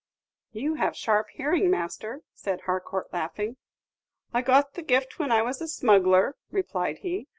"You have sharp hearing, master," said Harcourt, laughing. "I got the gift when I was a smuggler," replied he.